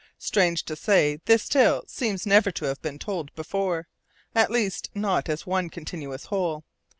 Strange to say, this tale seems never to have been told before; at least, not as one continuous whole.